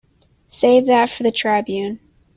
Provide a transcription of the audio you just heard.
Save that for the Tribune.